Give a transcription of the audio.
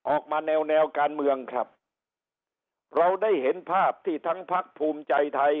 แนวแนวการเมืองครับเราได้เห็นภาพที่ทั้งพักภูมิใจไทย